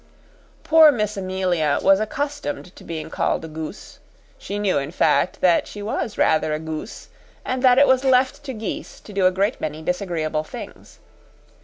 Poor Miss Amelia was accustomed to being called a goose. She knew, in fact, that she was rather a goose, and that it was left to geese to do a great many disagreeable things.